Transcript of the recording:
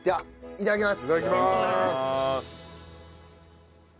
いただきます！